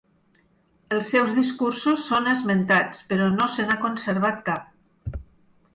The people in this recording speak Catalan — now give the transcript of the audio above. Els seus discursos són esmentats, però no se n'ha conservat cap.